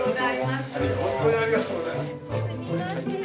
本当にありがとうございますすみません